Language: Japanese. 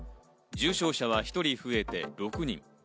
重症者は１人増えて６人。